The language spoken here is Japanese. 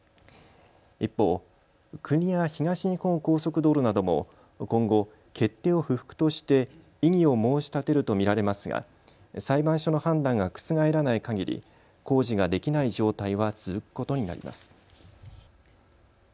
一方、国や東日本高速道路なども今後、決定を不服として異議を申し立てると見られますが裁判所の判断が覆らないかぎり工事ができない状態は続くことになります。